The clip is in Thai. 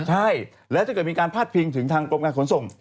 ใช่แล้วถ้าเกิดมีการพาดพิงถึงทางกรมการขนส่ง